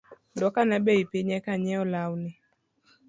Duokane bei piny eka anyiew lawni